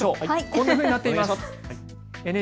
こんなふうになっています。